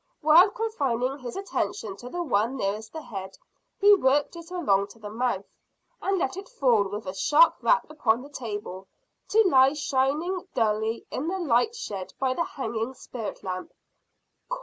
While confining his attention to the one nearest the head, he worked it along to the mouth, and let it fall with a sharp rap upon the table, to lie shining dully in the light shed by the hanging spirit lamp.